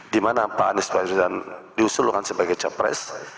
dimana pak anies baswedan diusulkan sebagai capres